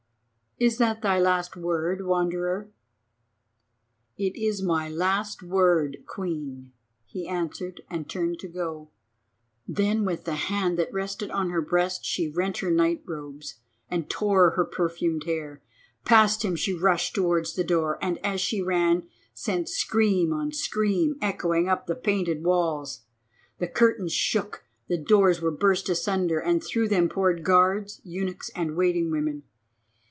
"Is that thy last word, Wanderer?" "It is my last word, Queen," he answered, and turned to go. Then with the hand that rested on her breast she rent her night robes and tore her perfumed hair. Past him she rushed towards the door, and as she ran sent scream on scream echoing up the painted walls. The curtains shook, the doors were burst asunder, and through them poured guards, eunuchs, and waiting women.